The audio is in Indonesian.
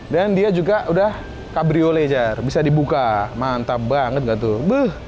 dan dia juga sudah cabrio lejar bisa dibuka mantap banget gak tuh